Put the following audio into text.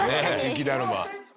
雪だるま。